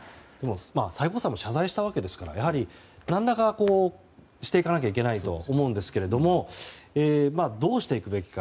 最高裁も謝罪したわけですからやはり何らかしていかなきゃいけないと思うんですけどどうしていくべきか。